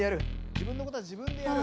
自分のことは自分でやる。